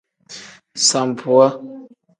Sambuwa.